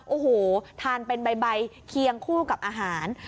โอ้โหทานเป็นใบเคียงคู่กับอาหาร